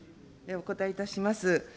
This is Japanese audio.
お答えいたします。